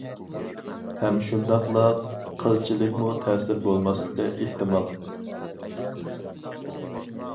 ھەم شۇنداقلا قىلچىلىكمۇ تەسىرى بولماسلىقى ئېھتىمال.